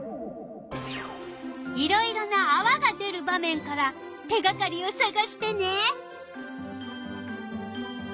いろいろなあわが出る場面から手がかりをさがしてね。